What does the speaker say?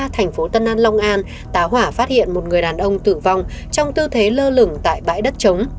thành phố tân an long an tá hỏa phát hiện một người đàn ông tử vong trong tư thế lơ lửng tại bãi đất chống